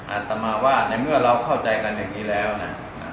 อาตมาว่าในเมื่อเราเข้าใจกันอย่างนี้แล้วนะ